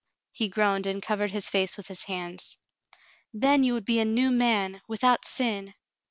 '" He groaned and covered his face with his hands. "Then you would be a new man, without sin.